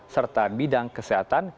serta bidang kesehatan